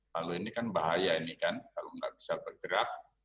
kalau ini kan bahaya ini kan kalau nggak bisa bergerak